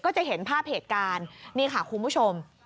จะเห็นภาพเหตุการณ์นี่ค่ะคุณผู้ชม